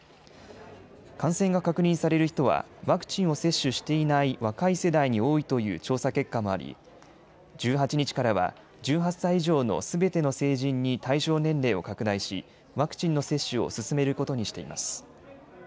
感染が確認される人はワクチンを接種していない若い世代に多いという調査結果もあり、１８日からは、１８歳以上のすべての成人に対象年齢を拡大し、ワクチンの接種を進めることにしています。